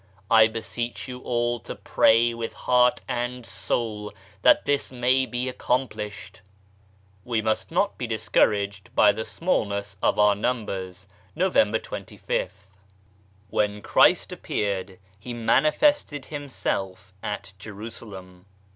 I beseech you all to pray with heart and soul that this may be accomplished. WE MUST NOT BE DISCOURAGED BY THE SMALLNESS OF OUR NUMBERS November 25th. EN Christ appeared He manifested Himself at Jerusalem.